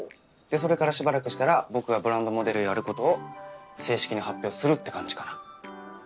それからしばらくしたら僕がブランドモデルやることを正式に発表するって感じかな。